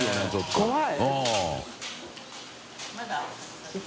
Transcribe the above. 怖い！